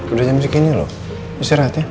udah jam segini loh istirahat ya